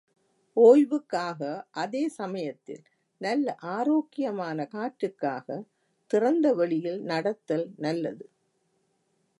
ஒய்வுக்காக, அதே சமயத்தில் நல்ல ஆரோக்கியமான காற்றுக்காக திறந்த வெளியில் நடத்தல் நல்லது.